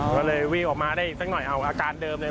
ก็เลยวิ่งออกมาได้อีกสักหน่อยเอาอาการเดิมเลย